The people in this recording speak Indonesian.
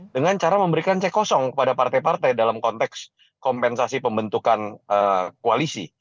dengan cara memberikan cek kosong kepada partai partai dalam konteks kompensasi pembentukan koalisi